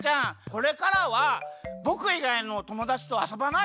これからはぼくいがいのともだちとあそばないで。